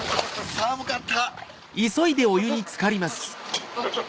寒かった。